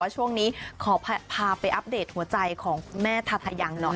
ว่าช่วงนี้ขอพาไปอัปเดตหัวใจของแม่ธาษยังหน่อย